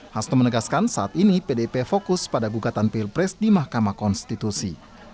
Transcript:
hasto menegaskan saat ini pdip fokus pada gugatan pilpres di mahkamah konstitusi